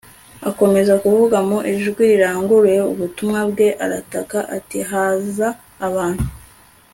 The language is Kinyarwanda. akomeza kuvuga mu ijwi riranguruye ubutumwa bwe, arataka ati haza abantu